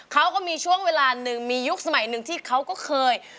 เขาก็มีช่วงเวลาหนึ่งมียุคสมัยหนึ่งที่เขาก็เคย